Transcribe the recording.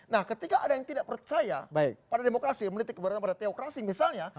nah ketika ada yang tidak percaya pada demokrasi menitik kepada teokrasi misalnya